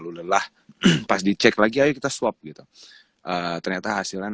boleh bikin otoloh di tempat yangmusci karena